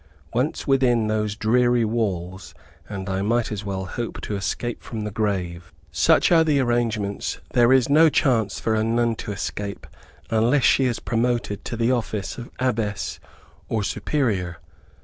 Once within those dreary walls, and I might as well hope to escape from the grave. Such are the arrangements, there is no chance for a nun to escape unless she is promoted to the office of Abbess or Superior.